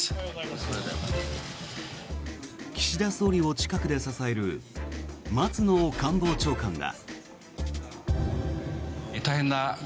岸田総理を近くで支える松野官房長官だ。